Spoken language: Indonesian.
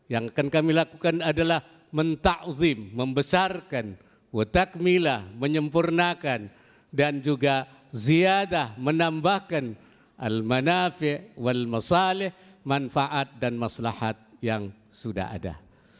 yang akan kami lakukan adalah menta'udhim membesarkan wetakmilah menyempurnakan dan juga ziyadah menambahkan al manafi wal masalih manfaat dan maslahat yang sudah ada